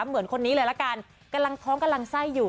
เหมือนคนนี้เลยละกันกำลังท้องกำลังไส้อยู่